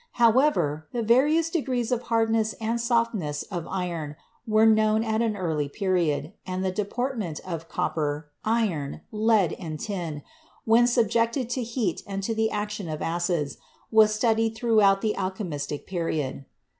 However, the various degrees of hardness and softness of iron were known at an early period, and the deportment of copper, iron, lead and tin when sub jected to heat and to the action of acids was studied throughout the alchemistic period.